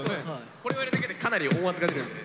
これをやるだけでかなり音圧が出るんで。